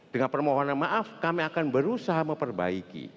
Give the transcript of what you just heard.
dengan permohonan maaf kami akan berusaha memperbaiki